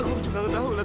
aku juga nggak tahu lah